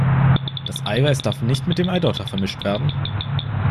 Das Eiweiß darf nicht mit dem Eidotter vermischt werden!